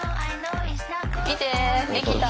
見てできた。